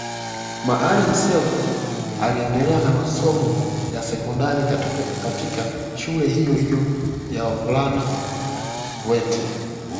Maalim Self aliendelea na masomo ya sekondari katika shule hiyo hiyo ya wavulana wete